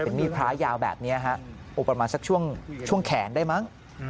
เป็นมีพระยาวแบบนี้ฮะอุบัตรมาสักช่วงแขนได้มั้ง